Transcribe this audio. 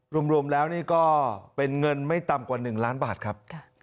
รวมแล้วนี่ก็เป็นเงินไม่ต่ำกว่า๑ล้านบาทครับ